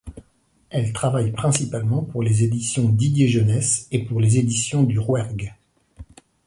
Elle travaille principalement pour les éditions Didier Jeunesse et pour les éditions du Rouergue.